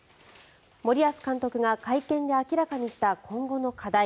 森保監督が会見で明らかにした今後の課題。